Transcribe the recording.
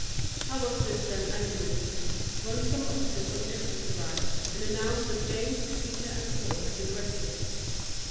How was this then augmented, when some officers of justice arrived, and announced that James, Peter, and Paul had been arrested.